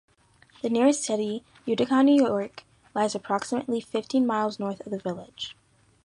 The nearest city, Utica, New York, lies approximately fifteen miles north of the village.